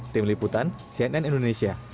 tim liputan cnn indonesia